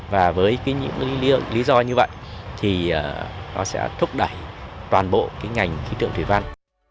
và với những lý do như vậy thì nó sẽ thúc đẩy toàn bộ ngành khí tượng thủy văn